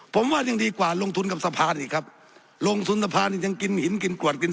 ผมว่ายังดีกว่าลงทุนกับสะพานอีกครับลงทุนสะพานยังกินหินกินกรวดกิน